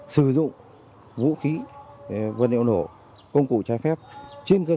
sử dụng vũ khí vật liệu nổ công cụ trái phép trên cơ sở đó